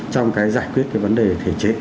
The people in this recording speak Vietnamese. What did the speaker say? trong cái giải quyết cái vấn đề thể chế